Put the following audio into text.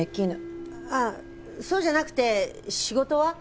ああそうじゃなくて仕事は？